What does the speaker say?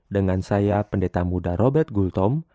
dengan saya pendeta muda robert gultom